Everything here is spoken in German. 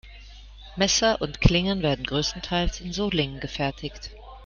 Messer und Klingen werden größtenteils in Solingen gefertigt.